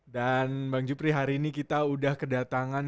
dan bang jepri hari ini kita udah kedatangan